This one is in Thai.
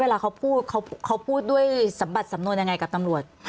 เวลาเขาพูดด้วยสัมบัติสำนวนยังไงกับตำรวจ